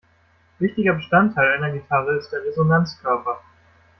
Wichtiger Bestandteil einer Gitarre ist der Resonanzkörper.